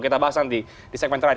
kita bahas nanti di segmen terakhir